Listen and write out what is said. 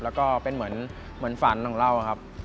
แล้วก็เป็นเหมือนฝันของเราครับ